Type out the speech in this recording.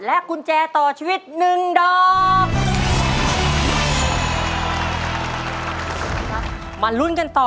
และกุญแจต่อชีวิตหนึ่งดอก